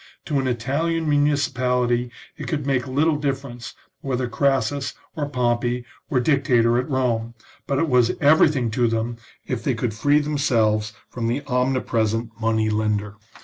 To an Italian municipality it could make little difference CONSPIRACY OF CATILINE. XXlX whether Crassus or Pompey were dictator at Rome, but it was everything to them if they could free them selves from the omnipresent money lender.